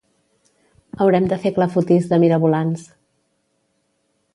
Haurem de fer clafoutis de mirabolans.